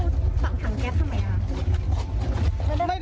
แล้วเราฝังถังแก๊บทำไมล่ะ